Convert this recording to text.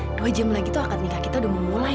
dua jam lagi tuh akad nikah kita udah mau mulai mil